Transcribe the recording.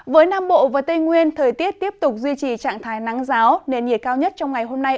với nam bộ và tây nguyên thời tiết tiếp tục duy trì trạng thái nắng giáo nền nhiệt cao nhất trong ngày hôm nay